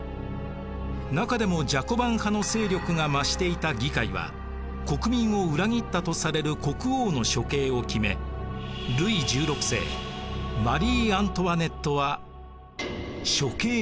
中でもジャコバン派の勢力が増していた議会は国民を裏切ったとされる国王の処刑を決めルイ１６世マリー・アントワネットは処刑されました。